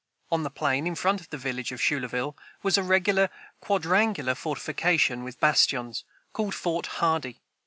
On the plain, in front of the village of Schuylerville, was a regular quadrangular fortification, with bastions, called Fort Hardy.